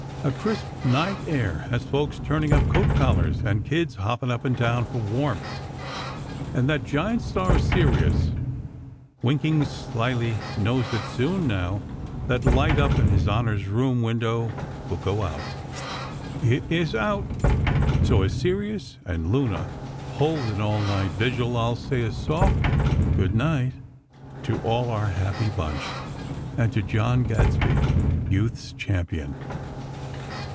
A crisp night air has folks turning up coat collars and kids hopping up and down for warmth. And that giant star, Sirius, winking slyly, knows that soon, now, that light up in His Honor's room window will go out. Fttt! It is out! So, as Sirius and Luna hold an all night vigil, I'll say a soft "Good night" to all our happy bunch, and to John Gadsby Youth's Champion.